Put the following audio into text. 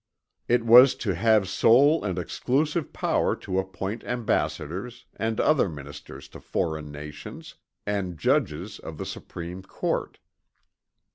It was to "have sole and exclusive power to" "appoint ambassadors, and other ministers to foreign nations, and judges of the Supreme Court."